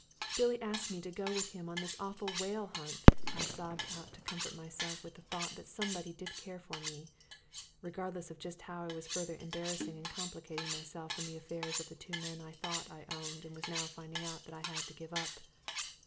"Billy asked me to go with him on this awful whale hunt!" I sobbed out to comfort myself with the thought that somebody did care for me, regardless of just how I was further embarrassing and complicating myself in the affairs of the two men I had thought I owned and was now finding out that I had to give up.